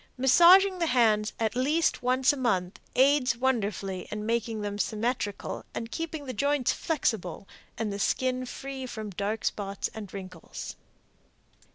Massaging the hands at least once a month aids wonderfully in making them symmetrical and keeping the joints flexible and the skin free from dark spots and wrinkles.